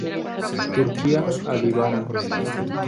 Turquía a Líbano.